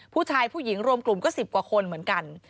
ผู้หญิงรวมกลุ่มก็๑๐กว่าคนเหมือนกัน